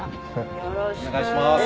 お願いします。